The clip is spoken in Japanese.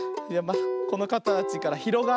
このかたちからひろがってはい。